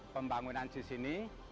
ku akan pulang